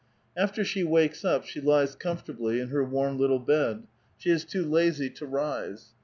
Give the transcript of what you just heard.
After she wakes up she lies comfortabl}' in her warm little bed ; she is too lazy to rise.